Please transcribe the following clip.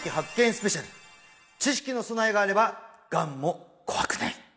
スペシャル知識の備えがあればがんも怖くない！